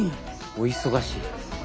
お忙しい。